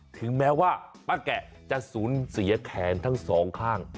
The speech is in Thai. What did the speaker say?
ถึงแม้ว่าป้าแกะจะสูญเสียแขนทั้งสองข้าง